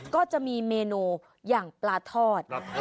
ก็จะมีเมนูอย่างปลาทอด